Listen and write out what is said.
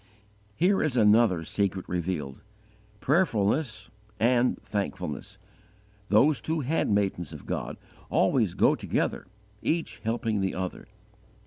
Here is another secret revealed: prayerfulness and thankfulness those two handmaidens Of God always go together, each helping the other.